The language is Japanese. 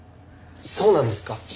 そうなんですか？